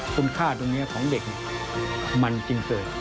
คุณค่าตรงนี้ของเด็กมันจึงเกิด